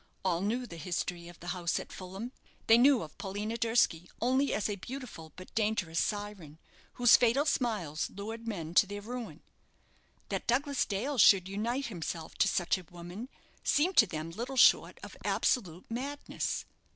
All knew the history of the house at Fulham. They knew of Paulina Durski only as a beautiful, but dangerous, syren, whose fatal smiles lured men to their ruin. That Douglas Dale should unite himself to such a woman seemed to them little short of absolute madness.